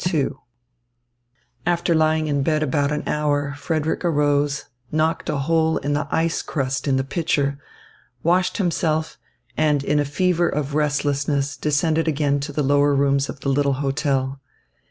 II After lying in bed about an hour, Frederick arose, knocked a hole in the ice crust in the pitcher, washed himself, and in a fever of restlessness descended again to the lower rooms of the little hotel.